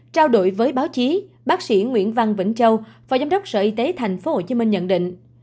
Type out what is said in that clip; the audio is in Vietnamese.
trao đổi với báo chí bác sĩ nguyễn văn vĩnh châu và giám đốc sở y tế thành phố hồ chí minh nhận định